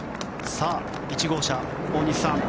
１号車、大西さん。